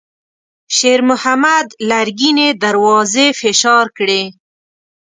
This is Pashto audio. شېرمحمد لرګينې دروازې فشار کړې.